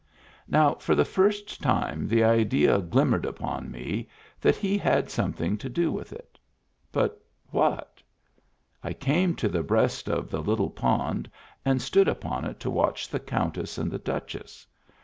Now for the first time the idea glimmered upon me that he had something to do with it. But what? I came to the breast of the little pond and stood upon it to watch the Countess and the Duchess.